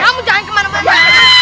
kamu jangan kemana mana